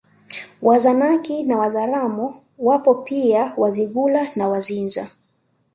Wazanaki na Wazaramo wapo pia Wazigula na Wazinza